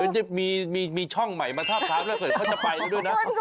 จะมีช่องใหม่มาทับท้ามนะเผิ้นเขาจะไปหน่อยด้วยนะ